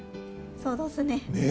そうどすね。